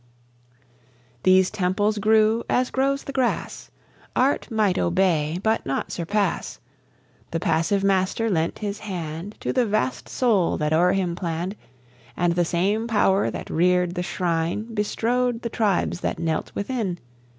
These temples grew as grows the grass; Art might obey, but not surpass. The passive Master lent his hand To the vast soul that o'er him planned; And the same power that reared the shrine Bestrode the tribes that knelt within.